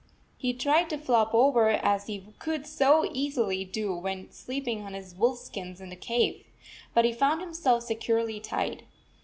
He tried to flop over, as he could so easily do when sleeping on his wolf skins in the cave. But he found himself securely tied.